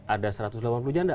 ada satu ratus delapan puluh janda